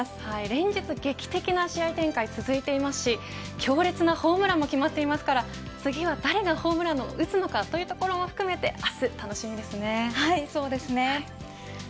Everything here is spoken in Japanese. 連日劇的な試合展開、続いていますし強烈なホームランも決まっていますから次は誰がホームランを打つのかというところも含めてはい、そうですね。